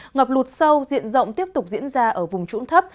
ngập lụt sâu diện rộng tiếp tục diễn ra ở vùng trũng thấp